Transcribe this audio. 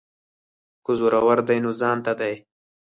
که زورور دی نو ځانته دی.